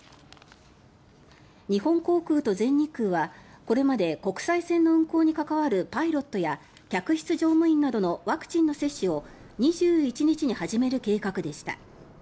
日本航空と全日空はこれまで国際線の運航に関わるパイロットや客室乗務員などのワクチンの接種を２１日に始める計画でした。